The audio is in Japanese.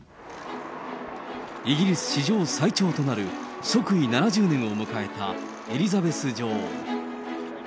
イギリス史上最長となる即位７０年を迎えたエリザベス女王。